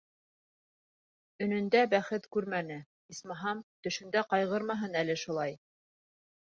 Өнөндә бәхет күрмәне, исмаһам, төшөндә ҡайғырмаһын әле шулай.